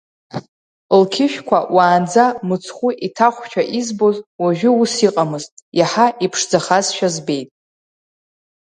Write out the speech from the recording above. Лқьышәқәа уаанӡа мыцхәы иҭахәшәа избоз, уажәы ус иҟамызт, иаҳа иԥшӡахазшәа збеит.